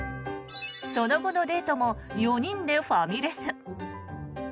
その後のデートも４人でファミレス。